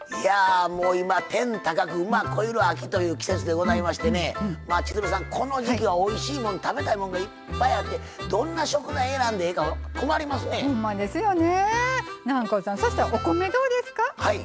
今「天高く馬肥ゆる秋」という季節でございまして千鶴さん、この時季はおいしいもん、食べたいもんがいっぱいあってどんな食材選んでいいか南光さんそしたら、お米、どうですか？